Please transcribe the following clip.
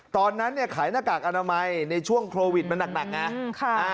ตอนนั้นขายหน้ากากอนามัยในช่วงโควิดมาหนัก